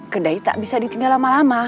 kedai tak bisa ditinggal lama lama